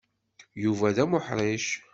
Yuba d amuḥṛic.